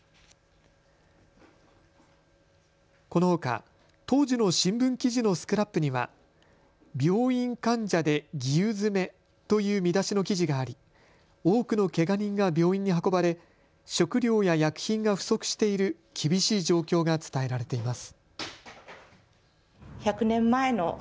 このほか当時の新聞記事のスクラップには病院患者でギウ詰めという見出しの記事があり多くのけが人が病院に運ばれ食料や薬品が不足している厳しい状況が伝えられています。